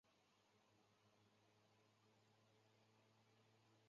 索布拉迪纽是巴西巴伊亚州的一个市镇。